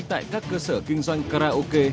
tại các cơ sở kinh doanh karaoke